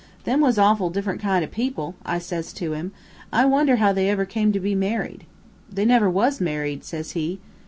'Them was awful different kind o' people,' I says to him, 'I wonder how they ever come to be married.' 'They never was married,' says he.